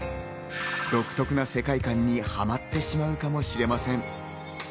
独特な世界観にはまってしまうかもしれません。